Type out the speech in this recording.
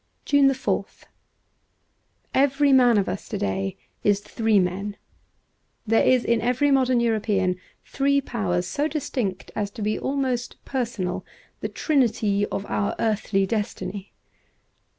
'' 171 JUNE 4th EVERY man of us to day is three men. There is in every modern European three powers so distinct as to be almost personal — the trinity of our earthly destiny.